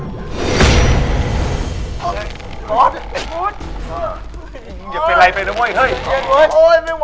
นายนี่อย่าเป็นไรไปนะเว้ย